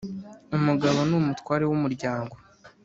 Umugabo ni umutware w ‘umuryango